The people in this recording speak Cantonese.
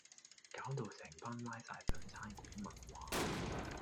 搞到成班拉晒上差館問話